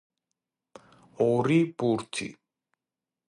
ორი ბურთი.